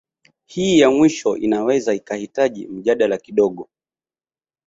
Hii ya mwisho inaweza ikahitaji mjadala kidogo